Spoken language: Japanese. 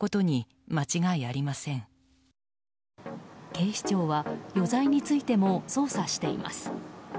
警視庁は余罪についても捜査しています。